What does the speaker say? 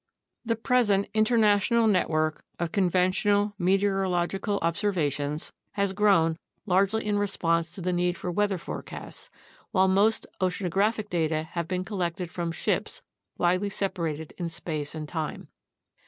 The present international network of conventional meteorological observations has grown largely in response to the need for weather fore casts, while most oceanographic data have been collected from ships widely separated in space and time.